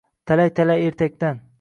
Talay-talay ertakdan —